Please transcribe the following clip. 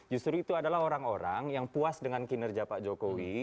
justru itu adalah orang orang yang puas dengan kinerja pak jokowi